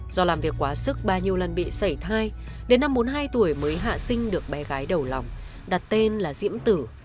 do làm việc quá sức bao nhiêu lần bị xảy thai đến năm bốn mươi hai tuổi mới hạ sinh được bé gái đầu lòng đặt tên là diễm tử